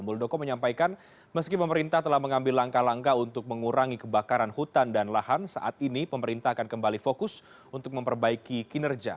muldoko menyampaikan meski pemerintah telah mengambil langkah langkah untuk mengurangi kebakaran hutan dan lahan saat ini pemerintah akan kembali fokus untuk memperbaiki kinerja